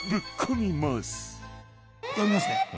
読みますね。